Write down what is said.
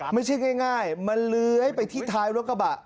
ไม่ใช่ง่ายมันเลื้อยไปที่ท้ายรถกระบะ